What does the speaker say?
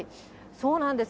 そうなんです。